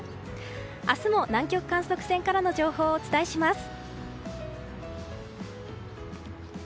明日も南極観測船からの情報をお伝えします。